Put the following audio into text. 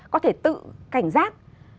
có thể tự cảnh giác